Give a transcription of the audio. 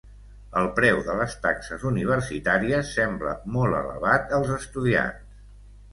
El preu de les taxes universitàries sembla molt elevat als estudiants